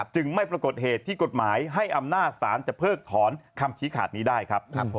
จึงไม่ปรากฏเหตุที่กฎหมายให้อำนาจศาลจะเพิกถอนคำชี้ขาดนี้ได้ครับ